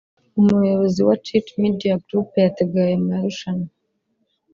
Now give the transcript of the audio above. Umuyobozi wa Chichi media Group yateguye aya marushanwa